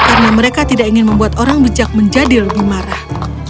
karena mereka tidak ingin membuat orang bijak menjadi lebih marah